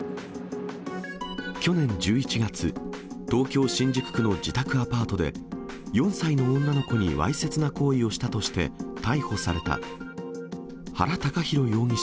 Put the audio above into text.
去年１１月、東京・新宿区の自宅アパートで、４歳の女の子にわいせつな行為をしたとして逮捕された原高弘容疑者